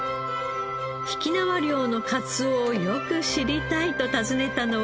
曳縄漁のかつおをよく知りたいと訪ねたのは。